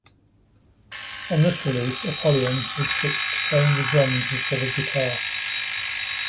On this release Apollyon would switch to playing the Drums instead of guitar.